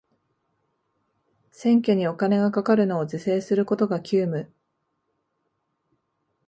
選挙にお金がかかるのを是正することが急務